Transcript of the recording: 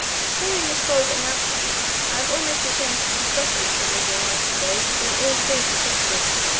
Hearing this bold announcement I am almost ashamed to confess it, in these enlightened days we all three protested.